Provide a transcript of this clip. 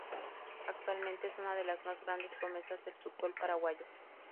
Actualmente es una de las más grandes promesas del fútbol paraguayo.